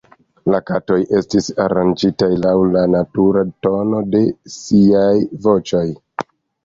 La katoj estis aranĝitaj laŭ la natura tono de siaj voĉoj.